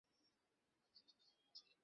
আমি জানি, ম্যাম।